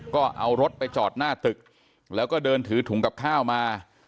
ก็เอารถไปจอดหน้าตึกแล้วก็เดินถือถุงกับข้าวมา